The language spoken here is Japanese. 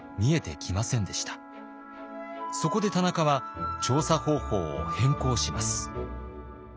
そこで田中は調査方法を変更します。